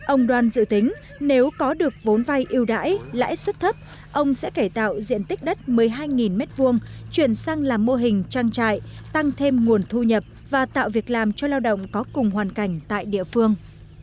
ông đoan dự tính nếu có được vốn vay yêu đãi lãi suất thấp ông sẽ cải tạo diện tích đất một mươi hai m hai chuyển sang làm mô hình trang trại tăng thêm nguồn thu nhập và tạo việc làm cho lao động có cùng hoàn cảnh tại địa phương